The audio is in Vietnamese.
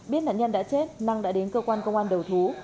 biết nạn nhân đã chết năng đã đến cơ quan công an đầu thú